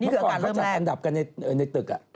นี่คืออาการเริ่มแรกเมื่อก่อนเขาจัดอันดับกันในตึกอ่ะ